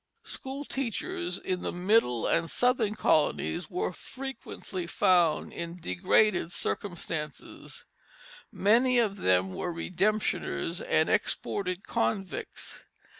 School teachers in the middle and southern colonies were frequently found in degraded circumstances; many of them were redemptioners and exported convicts.